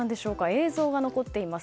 映像が残っています。